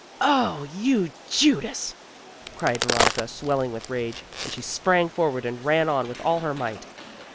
"Oh, you Judas!" cried Veronica, swelling with rage, and she sprang forward and ran on with all her might.